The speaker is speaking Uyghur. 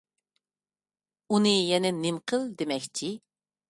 ئۇنى يەنە نېمە قىل دېمەكچى؟